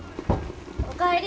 おかえり。